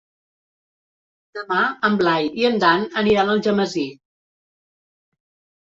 Demà en Blai i en Dan aniran a Algemesí.